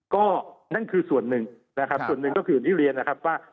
ก็นั่นคือส่วนหนึ่งนะครับส่วนหนึ่งก็คืออย่างที่เรียนนะครับว่า